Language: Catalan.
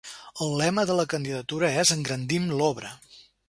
El lema de la candidatura és ‘Engrandim l’Obra’.